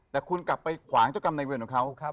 แต่คุณกลับไปขวางเจ้ากรรมในเวรของเขา